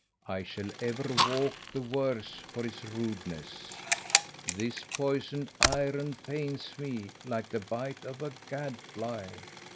I shall ever walk the worse for his rudeness. This poisoned iron pains me like the bite of a gad fly.